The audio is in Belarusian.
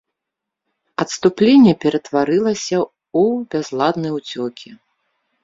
Адступленне ператварылася ў бязладны ўцёкі.